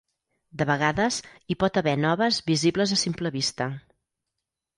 De vegades hi pot haver noves visibles a simple vista.